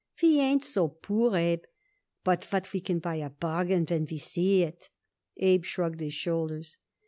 We ain't so poor, Abe, but what we can buy a bargain when we see it." Abe shrugged his shoulders.